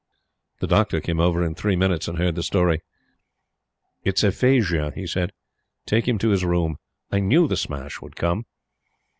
The Doctor came over in three minutes, and heard the story. "It's aphasia," he said. "Take him to his room. I KNEW the smash would come."